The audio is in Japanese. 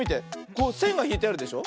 こうせんがひいてあるでしょ。